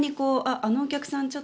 あのお客さん